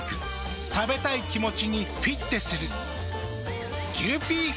食べたい気持ちにフィッテする。